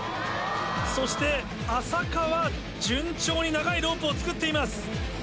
そして安積は順調に長いロープを作っています。